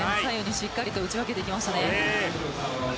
しっかりと打ち分けていきましたね。